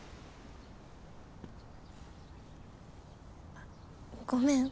あっごめん。